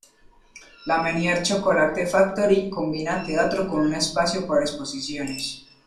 La Menier Chocolate Factory combina teatro con un espacio para exposiciones.